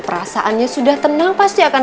perasaannya sudah tenang pasti akan